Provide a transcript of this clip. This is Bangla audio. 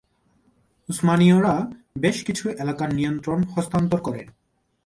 উসমানীয়রা বেশ কিছু এলাকার নিয়ন্ত্রণ হস্তান্তর করে।